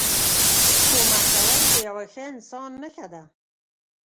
کمک کول د یوه ښه انسان نښه ده.